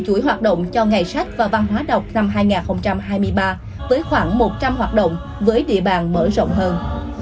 chuỗi hoạt động cho ngày sách và văn hóa đọc năm hai nghìn hai mươi ba với khoảng một trăm linh hoạt động với địa bàn mở rộng hơn